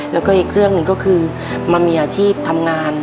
แล้วก็อีกเรื่องหนึ่งก็คือมามีอาชีพทำงาน